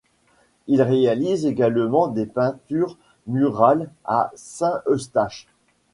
Il réalise également des peintures murales à Saint-Eustache.